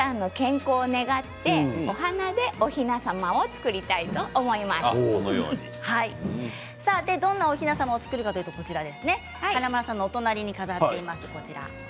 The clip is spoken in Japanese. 皆さんの健康を願ってお花でおひな様をどんな、おひな様を作るかといいますと華丸さんのお隣に飾っています。